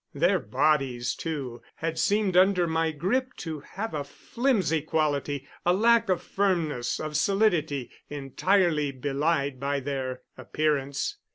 Their bodies, too, had seemed under my grip to have a flimsy quality, a lack of firmness, of solidity, entirely belied by their appearance.